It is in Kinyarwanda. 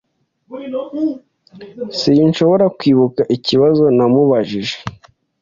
Sinshobora kwibuka ikibazo namubajije.